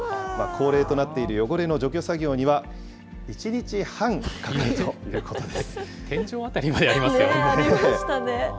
恒例となっている汚れの除去作業には、１日半かかるということで天井辺りまでありますよね。